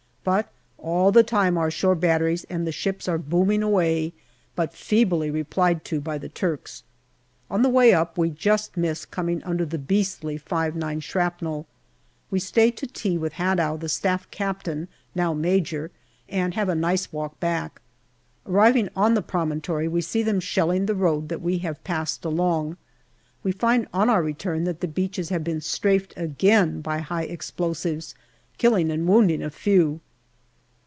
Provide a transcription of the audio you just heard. But all the time our shore batteries and the ships are booming away, but feebly replied to by the Turks. On the way up we just miss coming under the beastly 5 9 shrapnel. We stay to tea with Hadow, the Staff Captain, now Major, and after have a nice walk back. Arriving on the promontory, we see them shelling the road that we have passed along. We find on our return that the beaches had been " strafed " again by high explosives, killing and wounding a few.